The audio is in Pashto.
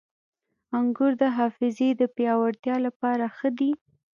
• انګور د حافظې د پیاوړتیا لپاره ښه دي.